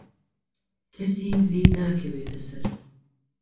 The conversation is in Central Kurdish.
کهسی لیێ ناکهویتە سهر